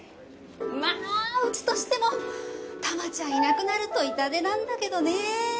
まぁうちとしても玉ちゃんいなくなると痛手なんだけどね。